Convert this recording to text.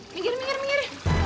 minggir minggir minggir